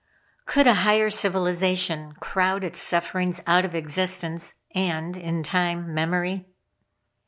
Could a higher civilization crowd its sufferings out of existence and, in time, memory?"